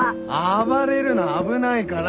暴れるな危ないから！